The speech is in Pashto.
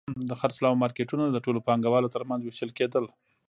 د خرڅلاو مارکېټونه د ټولو پانګوالو ترمنځ وېشل کېدل